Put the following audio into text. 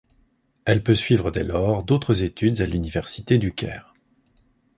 Elle peut suivre dès lors d'autres études à l'Université du Caire.